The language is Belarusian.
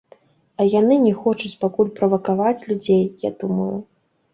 А яны не хочуць пакуль правакаваць людзей, я думаю.